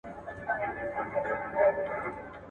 د کندهار مقام حوزوی ریاست ته!